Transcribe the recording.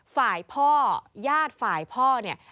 ฝ่ายพ่อญาติฝ่ายพ่อเนี่ย